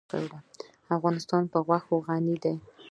افغانستان په غوښې غني دی.